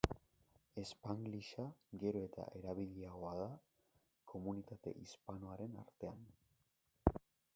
Spanglisha gero eta erabiliagoa da komunitate hispanoaren artean.